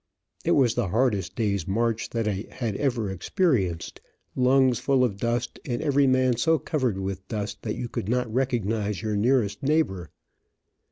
It was the hardest day's march that I ever experienced, lungs full of dust, and every man so covered with dust that you could not recognize your nearest neighbor.